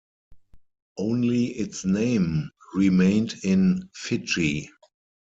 Only its name remained in Fiji.